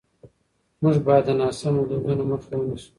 موږ باید د ناسم دودونو مخه ونیسو.